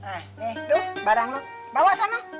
nah nih tuh barang lo bawa sama